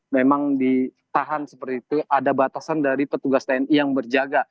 memang ditahan seperti itu ada batasan dari petugas tni yang berjaga